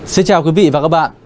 xin chào quý vị và các bạn